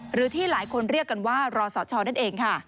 หรือที่หลายคนเรียกกันว่ารอสชนั่นเองค่ะ